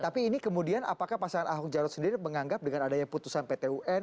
tapi ini kemudian apakah pasangan ahok jarot sendiri menganggap dengan adanya putusan pt un